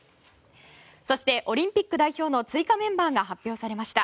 オリンピック代表の追加メンバーが発表されました。